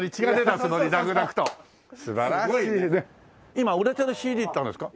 今売れてるＣＤってあるんですか？